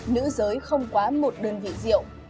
nữ giới không quá một đơn vị rượu